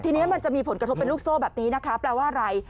ทีนี้มันจะมีผลกระทบเป็นลูกโซ่แบบนี้นะคะแปลว่าอะไร